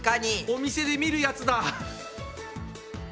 お店で見るやつだ！